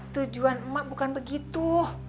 tujuan mak bukan begitu